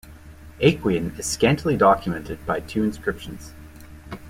Aequian is scantily documented by two inscriptions.